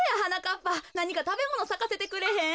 っぱなにかたべものさかせてくれへん？